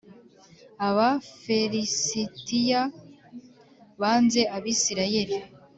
Aba felisitiya banze Abisirayeli